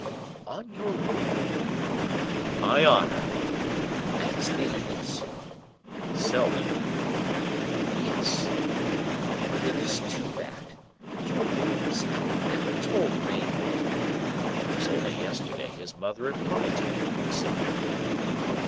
"On your word?" "On my honor!" "And his name is " "Seldon." "Yes. But it is too bad. You knew this, and you never told me!" "'Twas only yesterday his mother applied to me, monseigneur."